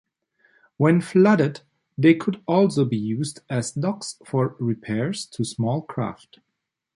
When flooded they could also be used as docks for repairs to small craft.